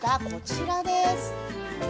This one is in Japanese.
こちらです。